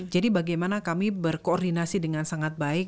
jadi bagaimana kami berkoordinasi dengan sangat baik